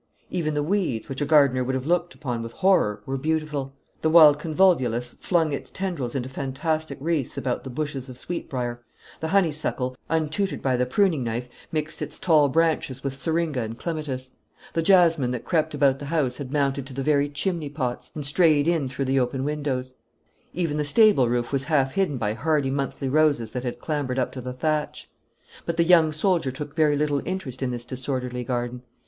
Even the weeds, which a gardener would have looked upon with horror, were beautiful. The wild convolvulus flung its tendrils into fantastic wreaths about the bushes of sweetbrier; the honeysuckle, untutored by the pruning knife, mixed its tall branches with seringa and clematis; the jasmine that crept about the house had mounted to the very chimney pots, and strayed in through the open windows; even the stable roof was half hidden by hardy monthly roses that had clambered up to the thatch. But the young soldier took very little interest in this disorderly garden.